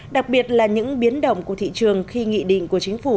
đặc biệt là những biến động của thị trường khi nghị định của chính phủ